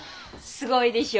すごいでしょ。